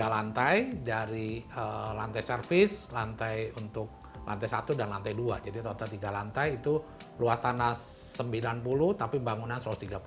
tiga lantai dari lantai service lantai untuk lantai satu dan lantai dua jadi total tiga lantai itu luas tanah sembilan puluh tapi bangunan satu ratus tiga puluh